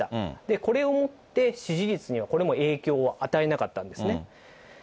これをもって、支持率には、これも影響を与えなかったんですね。